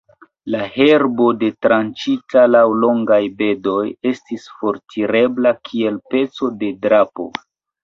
La herbo, detranĉita laŭ longaj bedoj, estis fortirebla kiel peco de drapo.